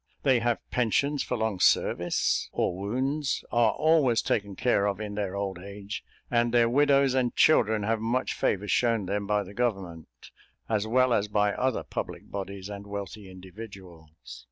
They have pensions for long services or wounds, are always taken care of in their old age, and their widows and children have much favour shown them, by the government, as well as by other public bodies and wealthy individuals.